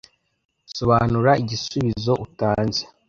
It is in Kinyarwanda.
sobanura igisubizo utanze .